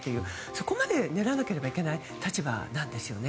そこまで練らなければいけない立場なんですね。